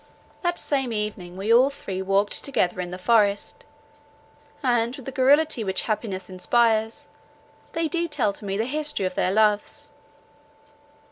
That same evening we all three walked together in the forest, and, with the garrulity which happiness inspires, they detailed to me the history of their loves.